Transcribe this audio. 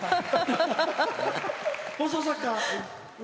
放送作家は。